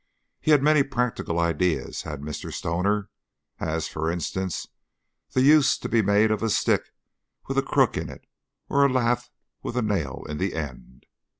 He had many practical ideas, had Mr. Stoner, as, for instance, the use to be made of a stick with a crook in it or a lath with a nail in the end.